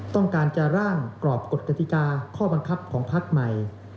ต้องการจะร่างกรอบกฎกติกาข้อบังคับของพักใหม่